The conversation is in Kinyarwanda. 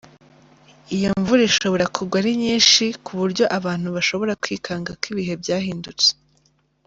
Iyo mvura ishobora kugwa ari nyinshi, ku buryo abantu bashobora kwikanga ko ibihe byahindutse.